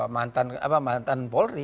mantan apa mantan polri